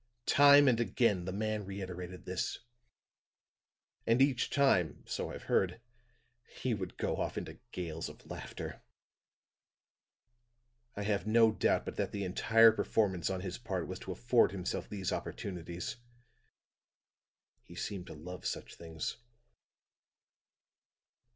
Time and again the man reiterated this; and each time, so I've heard, he would go off into gales of laughter. I have no doubt but that the entire performance on his part was to afford himself these opportunities; he seemed to love such things."